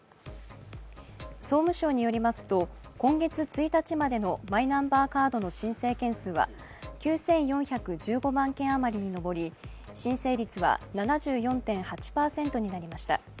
総務省によりますと、今月１日までのマイナンバーカードの申請件数は、９４１５万件余りに上り、申請率は７４．８％になりました。